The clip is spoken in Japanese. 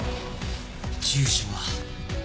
住所は。